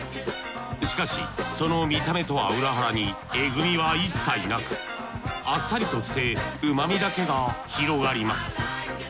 しかしその見た目とは裏腹にえぐみは一切なくあっさりとして旨みだけが広がります。